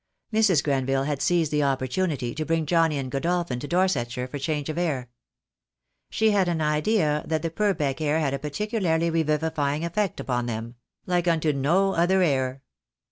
Mrs. Grenville had seized the opportunity to bring Johnnie and Godolphin to Dorset shire for change of air. She had an idea that the Pur beck air had a particularly revivifying effect upon them — like unto no other air.